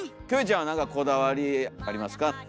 キョエちゃんは何かこだわりありますか？